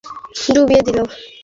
তোমার লোক আমাদেরকে ডুবিয়ে দিলো।